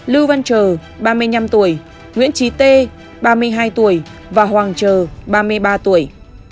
lưu văn trờ ba mươi năm tuổi nguyễn trí tê ba mươi hai tuổi và hoàng trờ ba mươi ba tuổi